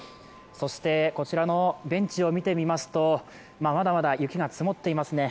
こちらのベンチを見てみますとまだまだ雪が積もっていますね。